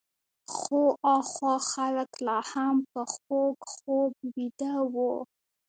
خو هخوا خلک لا هم په خوږ خوب ویده وو.